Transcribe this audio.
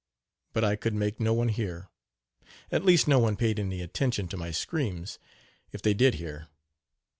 But I could make no one hear, at least no one paid any attention to my screams, if they did hear.